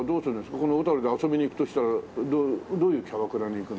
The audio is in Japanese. この小で遊びに行くとしたらどういうキャバクラに行くの？